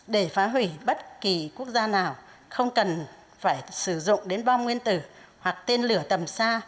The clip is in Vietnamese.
để phá hủy bất kỳ quốc gia nào không cần phải sử dụng đến bom nguyên tử hoặc tên lửa tầm xa